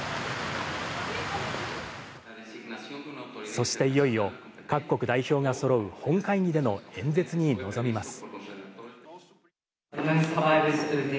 そしていよいよ、各国代表がそろう本会議での演説に臨みます。